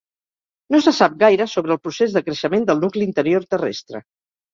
No se sap gaire sobre el procés de creixement del nucli interior terrestre.